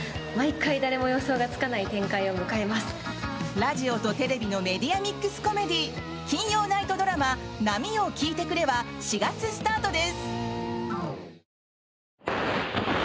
ラジオとテレビのメディアミックスコメディー金曜ナイトドラマ「波よ聞いてくれ」は４月スタートです！